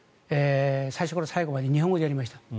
最初から最後まで日本語でやりました。